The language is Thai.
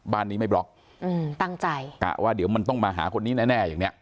บ้านนี้ไม่บล็อกอืมตั้งใจกะว่าเดี๋ยวมันต้องมาหาคนนี้แน่แน่อย่างเนี้ย